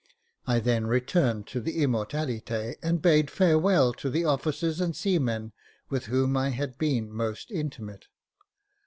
I then returned to the Immortalite, and bade farewell to the officers and sea men with whom I had been most intimate.